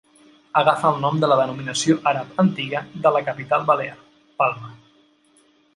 Agafa el nom de la denominació àrab antiga de la capital balear, Palma.